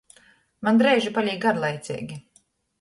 Maņ dreiži palīk garlaiceigi.